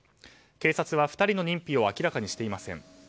警察は２人の認否を明らかにしていません。